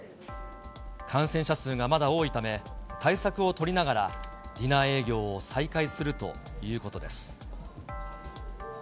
感染者数がまだ多いため、対策を取りながら、ディナー営業を再開するということです。